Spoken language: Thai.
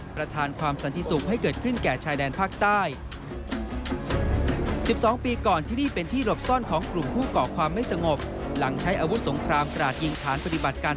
ประธานความสันติสุขให้เกิดขึ้นแก่ชายแดนภาคใต้